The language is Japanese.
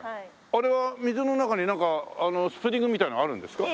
あれは水の中になんかスプリングみたいなあるんですか？